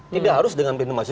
tidak harus dengan pintu masuknya